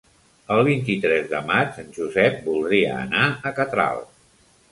El vint-i-tres de maig en Josep voldria anar a Catral.